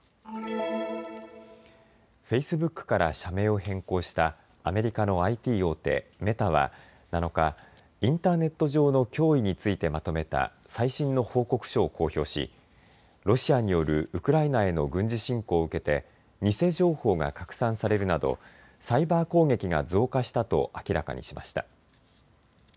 フェイスブックから社名を変更したアメリカのＩＴ大手、メタは７日、インターネット上の脅威についてまとめた最新の報告書を公表しロシアによるウクライナへの軍事侵攻を受けて偽情報が拡散されるなどサイバー攻撃が増加したと明らかにしました。